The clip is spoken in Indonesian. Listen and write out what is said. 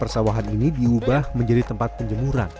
persawahan ini diubah menjadi tempat penjemuran